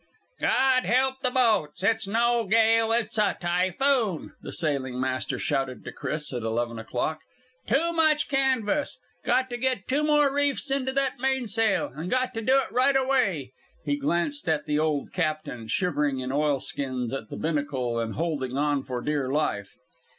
"God help the boats! It's no gale! It's a typhoon!" the sailing master shouted to Chris at eleven o'clock. "Too much canvas! Got to get two more reefs into that mainsail, and got to do it right away!" He glanced at the old captain, shivering in oilskins at the binnacle and holding on for dear life.